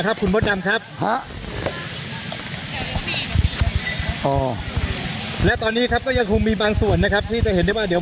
ทางกลุ่มมวลชนทะลุฟ้าทางกลุ่มมวลชนทะลุฟ้า